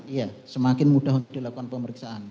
iya semakin mudah untuk dilakukan pemeriksaan